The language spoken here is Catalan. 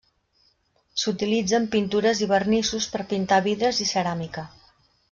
S'utilitza en pintures i vernissos per pintar vidres i ceràmica.